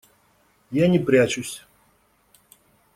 Я не прячусь.